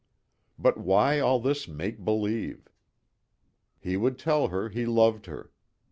But why all this make believe? He would tell her he loved her.